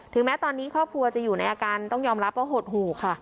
แม้ตอนนี้ครอบครัวจะอยู่ในอาการต้องยอมรับว่าหดหู่ค่ะ